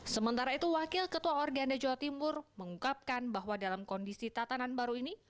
sementara itu wakil ketua organda jawa timur mengungkapkan bahwa dalam kondisi tatanan baru ini